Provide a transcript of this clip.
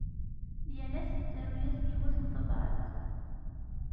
Yal ass yettaru-as yiwet n tebrat.